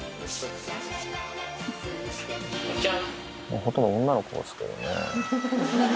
ほとんど女の子ですけどね。